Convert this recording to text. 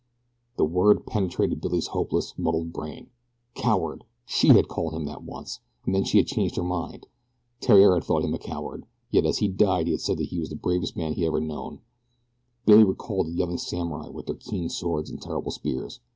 The word penetrated Billy's hopeless, muddled brain. Coward! SHE had called him that once, and then she had changed her mind. Theriere had thought him a coward, yet as he died he had said that he was the bravest man he ever had known. Billy recalled the yelling samurai with their keen swords and terrible spears.